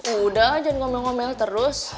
udah ajan ngomel ngomel terus